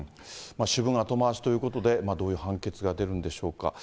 主文後回しということで、どういう判決が出るんでしょうか。